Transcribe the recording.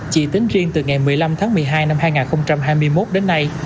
chỉ tính riêng từ ngày một mươi năm tháng một mươi hai năm hai nghìn hai mươi một đến nay